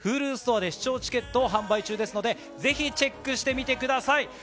Ｈｕｌｕストアで視聴チケットを販売中ですので、ぜひチェックしてみてください。